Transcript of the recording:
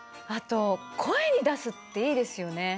あと声に出すっていいですよね。